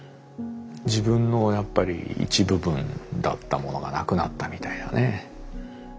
自分のやっぱり一部分だったものがなくなったみたいなね。